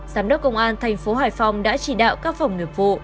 giám đốc công an thành phố hải phòng đã chỉ đạo các phòng nghiệp vụ